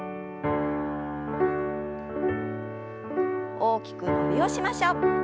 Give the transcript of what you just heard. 大きく伸びをしましょう。